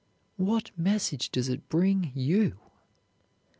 What message does it bring you?